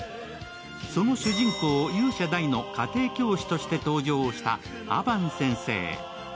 その主人公、勇者ダイの家庭教師として登場したアバン先生。